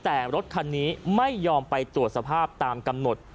แต่รถคันนี้ไม่ยอมไปตรวจสภาพตามกำหนด